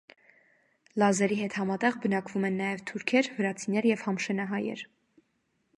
Լազերի հետ համատեղ բնակվում են նաև թուրքեր, վրացիներ և համշենահայեր։